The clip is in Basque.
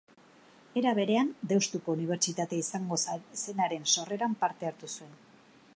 Era berean Deustuko Unibertsitatea izango zenaren sorreran parte hartu zuen.